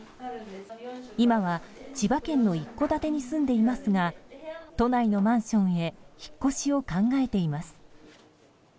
今は千葉県の一戸建てに住んでいますが都内のマンションへ引っ越しを考えています。